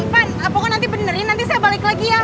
pan pokoknya nanti benerin nanti saya balik lagi ya